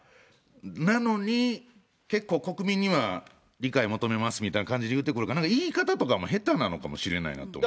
なのに結構、国民には理解求めますみたいな感じで言ってくるから、なんか説明とかも下手なのかもしれないなと思って。